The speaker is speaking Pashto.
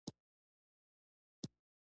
موږ کولی شول، چې هغوی ته خپلې مفکورې بیان کړو.